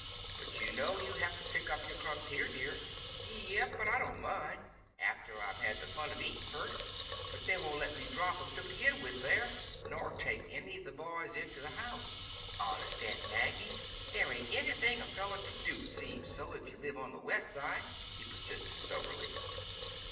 "But you know you have to pick up your crumbs here, dear." "Yep. But I don't mind—after I've had the fun of eatin' first. But they won't let me drop 'em ter begin with, there, nor take any of the boys inter the house. Honest, Aunt Maggie, there ain't anything a feller can do, 'seems so, if ye live on the West Side," he persisted soberly.